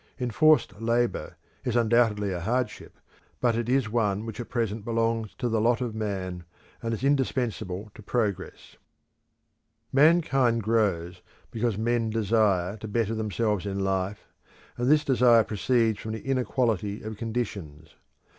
Enforced labour is undoubtedly a hardship, but it is one which at present belongs to the lot of man, and is indispensable to progress. The Future of Human Race Mankind grows because men desire to better themselves in life, and this desire proceeds from the inequality of conditions.